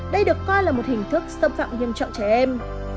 đây được coi là một hình thức xâm phạm nghiêm trọng trẻ em